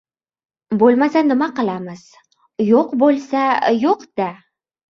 — Bo‘lmasa nima qilamiz, yo‘q bo‘lsa yo‘q-da.